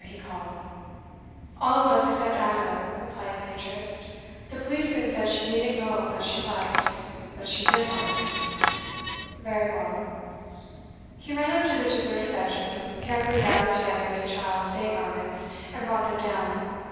he called. 'All of us except Ada,' replied Beatrice. 'The policeman said she needn't go unless she liked, but she did like.' 'Very well.' He ran up to the deserted bedroom, carefully gathered together his child's day garments, and brought them down.